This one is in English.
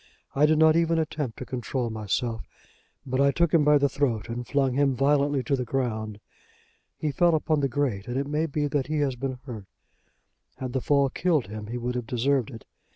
"I did not even attempt to control myself; but I took him by the throat and flung him violently to the ground. He fell upon the grate, and it may be that he has been hurt. Had the fall killed him he would have deserved it.